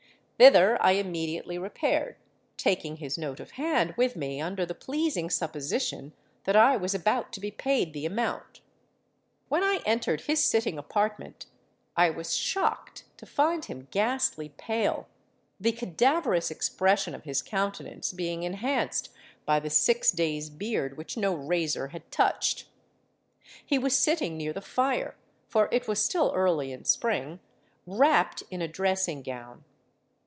Thither I immediately repaired, taking his note of hand with me under the pleasing supposition that I was about to be paid the amount. When I entered his sitting apartment, I was shocked to find him ghastly pale—the cadaverous expression of his countenance being enhanced by the six days' beard which no razor had touched. He was sitting near the fire—for it was still early in Spring—wrapped in a dressing gown.